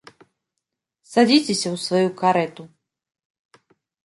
Садзіцеся ў сваю карэту!